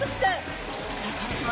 シャーク香音さま